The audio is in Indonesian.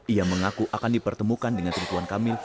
ia mengaku akan dipertemukan dengan rituan kamil